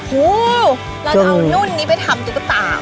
หูเราจะเอานุ่นนี้ไปทำตุ๊กตา